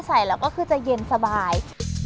ใส่แล้วก็คือจะเย็นสบาย